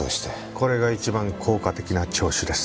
これが一番効果的な聴取です。